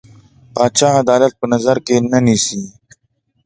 پاچا عدالت په نظر کې نه نيسي.